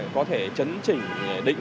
có thể chấn trình